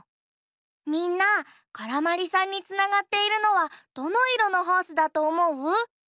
みんなからまりさんにつながっているのはどのいろのホースだとおもう？